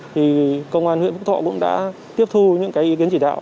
thì công an huyện phúc thọ cũng đã tiếp thu những cái ý kiến chỉ đạo